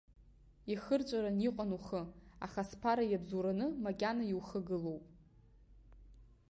Ихырҵәаран иҟан ухы, аха сԥара иабзоураны макьана иухагылоуп!